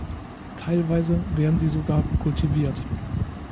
Teilweise werden sie sogar kultiviert.